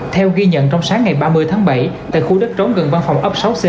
theo ghi nhận trong sáng ngày ba mươi tháng bảy tại khu đất trống gần văn phòng ấp sáu c